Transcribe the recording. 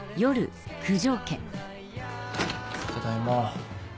ただいま。